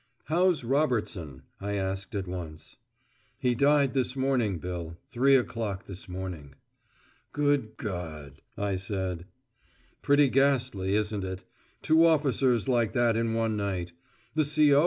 "How's Robertson?" I asked at once. "He died this morning, Bill three o'clock this morning." "Good God," I said. "Pretty ghastly, isn't it? Two officers like that in one night. The C.O.